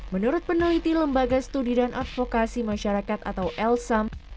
menurut peneliti lembaga studi dan advokasi masyarakat atau lsam